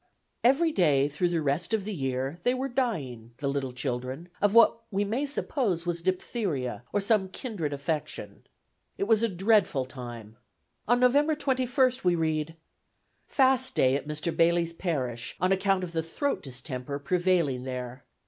Every day through the rest of the year they were dying, the little children, of what we may suppose was diphtheria, or some kindred affection. It was a dreadful time. On November 21st we read: "Fast Day at Mr. Bayleys Parish on account of the throat Distemper prevailing there.